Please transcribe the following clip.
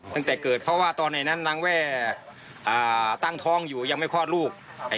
ตั้งแต่เกิดเพราะว่าตอนไหนนั้นนางแว่ตั้งท้องอยู่ยังไม่คลอดลูก